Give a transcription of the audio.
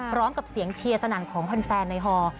พร้อมกับเสียงเชียร์สนั่นของแฟนในฮอ